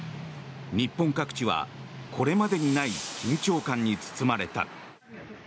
日本各地はこれまでにない緊張感に包まれた。